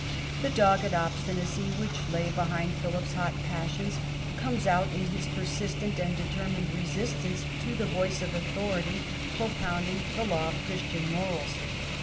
The dogged obstinacy which lay behind Philip's hot passions comes out in his persistent and determined resistance to the voice of authority propounding the law of Christian morals.